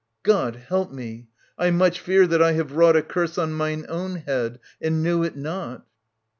God help me I I much fear that I have wrought A curse on mine own head, and knew it not.